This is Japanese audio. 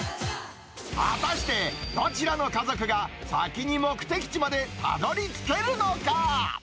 果たしてどちらの家族が先に目的地までたどりつけるのか？